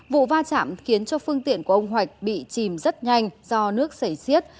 vụ va chạm khiến cho phương tiện của ông hoạch bị chìm rất nhanh do nước xảy xiết